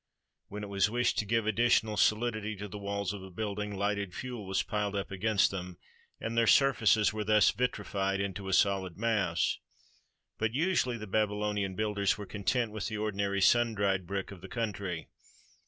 When it was wished to give additional solidity to the walls of a building, lighted fuel was piled up against them, and their surfaces were thus vitrified into a solid mass. But usually the Babylonian builders were content with the ordinary sun dried brick of the country.